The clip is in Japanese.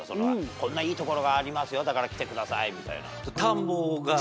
こんないい所がありますよだから来てくださいみたいな。